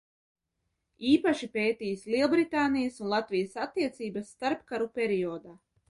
Īpaši pētījis Liebritānijas un Latvijas attiecības starpkaru periodā.